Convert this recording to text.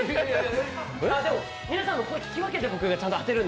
でも皆さんの声を聞き分けて、ちゃんと当てるので。